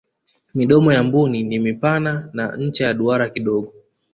midomo ya mbuni ni mipana na ncha ya duara kidogo